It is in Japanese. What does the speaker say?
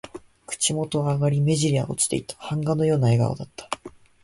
口元は上がり、目じりは落ちていた。版画のような笑顔だった。